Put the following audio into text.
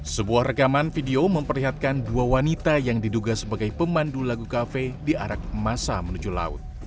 sebuah rekaman video memperlihatkan dua wanita yang diduga sebagai pemandu lagu kafe diarak masa menuju laut